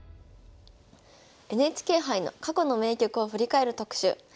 ＮＨＫ杯の過去の名局を振り返る特集。